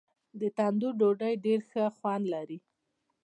د تندور ډوډۍ ډېر ښه خوند لري.